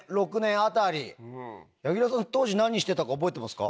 柳楽君当時何してたか覚えてますか？